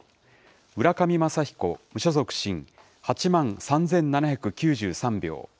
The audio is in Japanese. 浦上雅彦、無所属、新、８万３７９３票。